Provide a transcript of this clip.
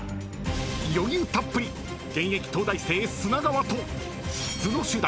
［余裕たっぷり現役東大生砂川と頭脳集団